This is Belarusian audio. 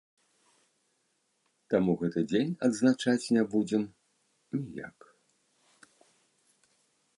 Таму гэты дзень адзначаць не будзем ніяк.